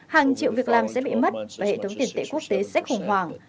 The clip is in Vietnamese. hàng triệu việc làm sẽ bị mất và hệ thống tiền tệ quốc tế sẽ khủng hoảng